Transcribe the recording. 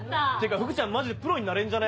福ちゃんマジでプロになれんじゃね？